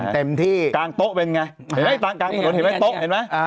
กลางโต๊ะเป็นไงนี่เหมือนไหนโต๊ะเห็นไหม